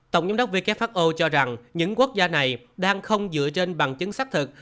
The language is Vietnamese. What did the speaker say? tổng giám đốc wfo cho rằng những quốc gia này đang không dựa trên bằng chứng xác thật